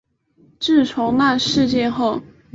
自从那事件后